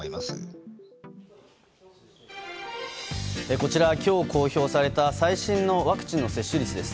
こちら、今日公表された最新のワクチンの接種率です。